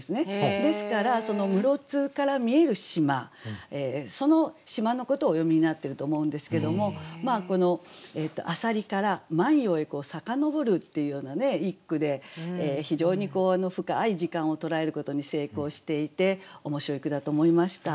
ですからその室津から見える島その島のことをお詠みになってると思うんですけどもこの浅蜊から万葉へ遡るっていうような一句で非常に深い時間を捉えることに成功していて面白い句だと思いました。